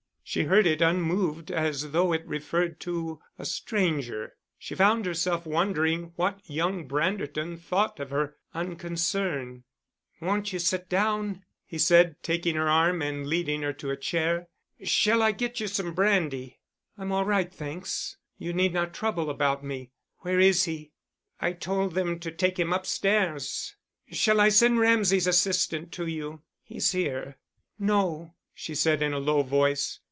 She heard it unmoved, as though it referred to a stranger. She found herself wondering what young Branderton thought of her unconcern. "Won't you sit down," he said, taking her arm and leading her to a chair. "Shall I get you some brandy?" "I'm all right, thanks. You need not trouble about me Where is he?" "I told them to take him upstairs. Shall I send Ramsay's assistant to you? He's here." "No," she said, in a low voice.